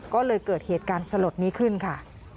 ก็เลยเกิดเหตุการณ์สลดนี้ขึ้นค่ะ